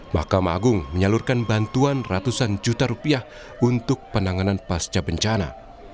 mahkamah agung menyalurkan bantuan ratusan juta rupiah untuk penanganan pasca bencana